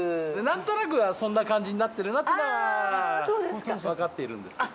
なんとなくはそんな感じになってるなっていうのはわかっているんですけど。